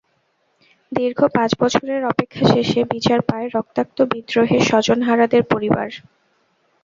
দীর্ঘ পাঁচ বছরের অপেক্ষা শেষে বিচার পায় রক্তাক্ত বিদ্রোহে স্বজনহারাদের পরিবার।